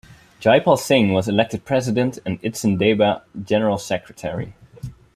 Jaipal Singh was elected president and Idsen Deba general secretary.